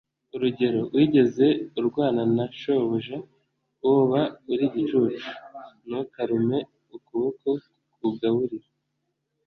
urugero “wigeze urwana na shobuja? woba uri igicucu? ntukarume ukuboko kukugaburira. ”